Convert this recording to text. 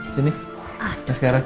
sini udah sekarang